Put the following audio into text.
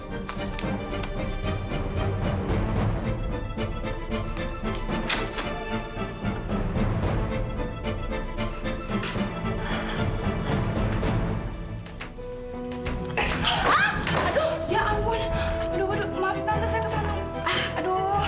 maaf tante saya kesana